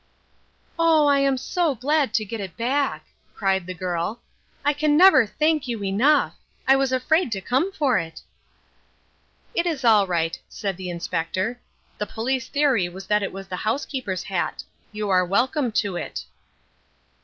"Oh, I am so glad to get it back," cried the girl. "I can never thank you enough. I was afraid to come for it." "It is all right," said the Inspector. "The police theory was that it was the housekeeper's hat. You are welcome to it."